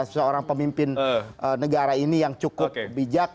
seorang pemimpin negara ini yang cukup bijak